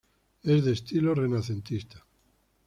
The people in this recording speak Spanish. Es de estilo renacentista.